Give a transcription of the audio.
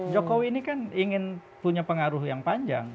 jokowi ini kan ingin punya pengaruh yang panjang